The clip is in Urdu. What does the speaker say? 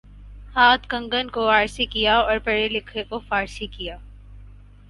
ہاتھ کنگن کو آرسی کیا اور پڑھے لکھے کو فارسی کیا